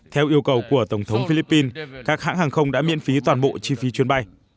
theo yêu cầu của tổng thống philippines các hãng hàng không đã miễn phí toàn bộ chi phí chuyến bay